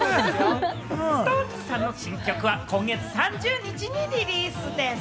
ＳｉｘＴＯＮＥＳさんの新曲は今月３０日にリリースです。